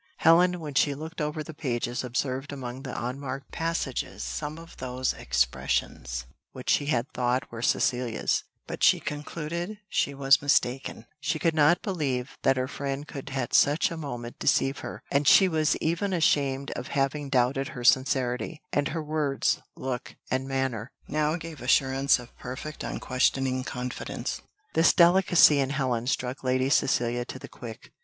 Helen, when she looked over the pages, observed among the unmarked passages some of those expressions which she had thought were Cecilia's, but she concluded she was mistaken: she could not believe that her friend could at such a moment deceive her, and she was even ashamed of having doubted her sincerity; and her words, look, and manner, now gave assurance of perfect unquestioning confidence. This delicacy in Helen struck Lady Cecilia to the quick.